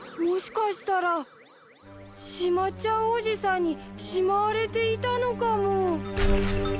もしかしたらしまっちゃうおじさんにしまわれていたのかも。